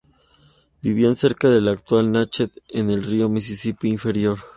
Vivían cerca del actual Natchez, en el río Misisipi inferior.